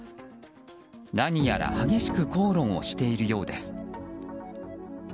何やら激しく口論をしているようです。